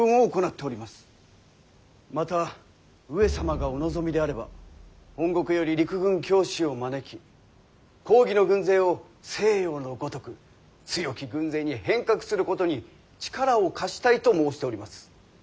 また上様がお望みであれば本国より陸軍教師を招き公儀の軍勢を西洋のごとく強き軍勢に変革することに力を貸したいと申しております。